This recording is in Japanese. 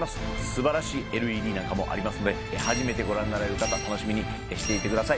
素晴らしいＬＥＤなんかもありますので初めてご覧になられる方楽しみにしていてください。